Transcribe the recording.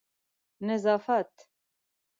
نظافت